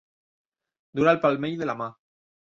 Dur al palmell de la mà.